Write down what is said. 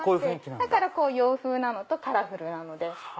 だから洋風なのとカラフルなので。